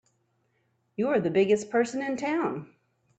You're the biggest person in town!